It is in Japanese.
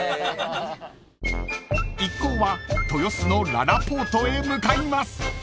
［一行は豊洲のららぽーとへ向かいます］